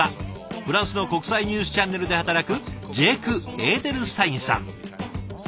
フランスの国際ニュースチャンネルで働くジェイク・エーデルスタインさん。